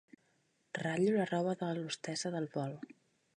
Ratllo la roba de l'hostessa de vol.